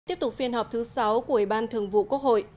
tiếp tục phiên họp thứ sáu của ủy ban thường vụ quốc hội